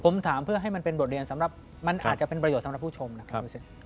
ผมถามเพื่อให้มันเป็นบทเรียนสำหรับมันอาจจะเป็นประโยชน์สำหรับผู้ชมนะครับ